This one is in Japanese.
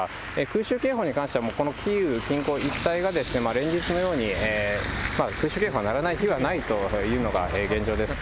空襲警報に関しては、もうこのキーウ近郊一帯が、連日のように空襲警報が鳴らない日はないというのが現状です。